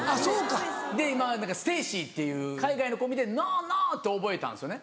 で今ステイシーっていう海外の子見て「ノーノー」って覚えたんですよね。